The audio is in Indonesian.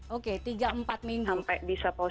oke tiga empat minggu